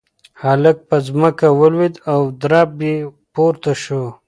هلک په ځمکه ولوېد او درب یې پورته شو.